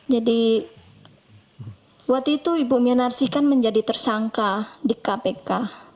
jadi waktu itu ibu minarsi kan menjadi tersangka di kpk